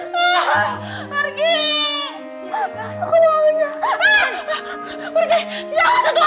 saya harus cari tahu kronologisnya seperti apa supaya saya bisa berbicara dengan anda